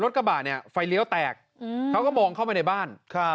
กระบะเนี่ยไฟเลี้ยวแตกเขาก็มองเข้าไปในบ้าน